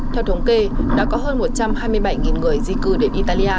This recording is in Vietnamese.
theo thống kê đã có hơn một trăm hai mươi bảy người di cư đến italia